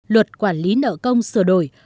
luật quản lý nợ công sửa đổi